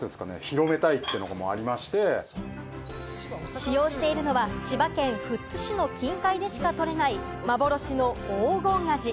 使用しているのは千葉県富津市の近海でしかとれない幻の黄金アジ。